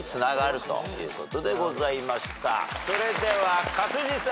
それでは勝地さん。